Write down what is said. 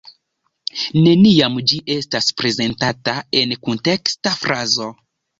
Neniam ĝi estas prezentata en kunteksta frazo.